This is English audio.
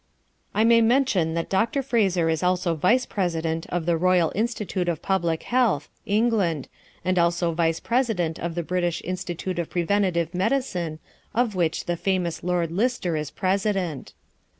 I may mention that Dr. Fraser is also vice president of the "Royal Institute of Public Health," England, and also vice president of the British Institute of Preventive Medicine, of which the famous Lord Lister is president.